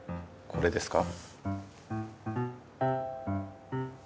これですか？